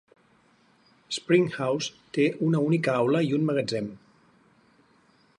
Springhouse té una única aula i un magatzem.